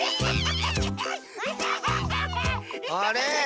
あれ？